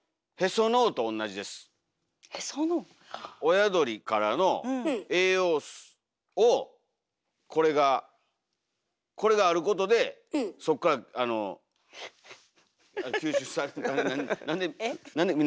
親鳥からの栄養をこれがこれがあることでそっからあの吸収され。